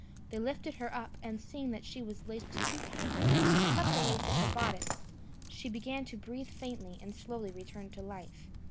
They lifted her up, and, seeing that she was laced too tightly, cut the lace of her bodice; she began to breathe faintly, and slowly returned to life.